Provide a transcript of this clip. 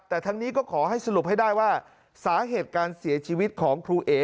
แต่ทั้งนี้ก็ขอให้สรุปให้ได้ว่าสาเหตุการเสียชีวิตของครูเอ๋